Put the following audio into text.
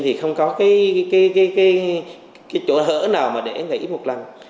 thì không có cái chỗ nào để nghỉ một lần